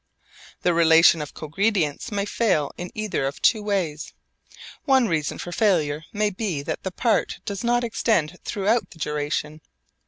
The relation of cogredience may fail in either of two ways. One reason for failure may be that the part does not extend throughout the duration.